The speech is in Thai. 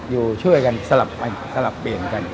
อยู่ช่วยกันสลับเปลี่ยนกัน